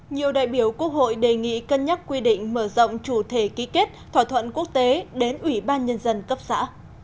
nhiều đại biểu quốc hội đề nghị cân nhắc quy định mở rộng chủ thể ký kết thỏa thuận quốc tế đến ủy ban nhân dân cấp xã